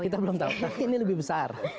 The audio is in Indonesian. kita belum tahu tapi ini lebih besar